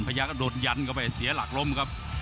ภูตวรรณสิทธิ์บุญมีน้ำเงิน